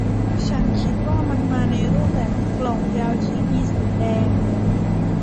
ฉันคิดว่ามันมาในรูปแบบกล่องยาวที่มีสีแดง